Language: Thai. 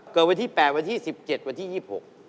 เกิดวันที่๘วันที่๑๗วันที่๒๖